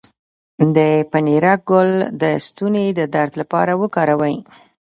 د پنیرک ګل د ستوني د درد لپاره وکاروئ